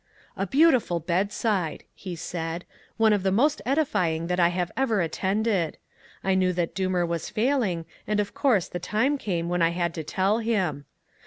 "A beautiful bedside," he said, "one of the most edifying that I have ever attended. I knew that Doomer was failing and of course the time came when I had to tell him.